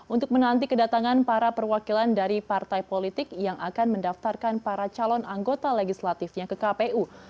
untuk menanti kedatangan para perwakilan dari partai politik yang akan mendaftarkan para calon anggota legislatifnya ke kpu